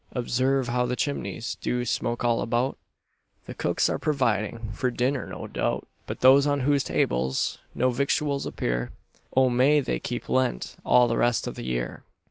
Observe how the chimneys Do smoke all about; The cooks are providing For dinner, no doubt; But those on whose tables No victuals appear, O may they keep Lent All the rest of the year.